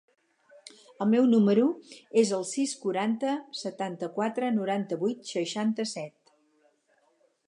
El meu número es el sis, quaranta, setanta-quatre, noranta-vuit, seixanta-set.